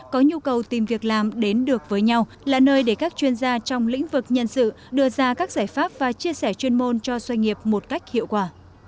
có nhu cầu tìm việc làm đến được với nhau là nơi để các chuyên gia trong lĩnh vực nhân sự đưa ra các giải pháp và chia sẻ chuyên môn cho doanh nghiệp một cách hiệu quả